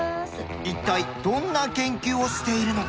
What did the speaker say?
一体どんな研究をしているのか？